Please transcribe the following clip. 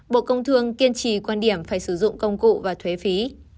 bộ công thương kiên trì quan điểm phải sử dụng công cụ và thuế phí